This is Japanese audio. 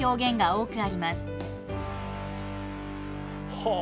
はあ！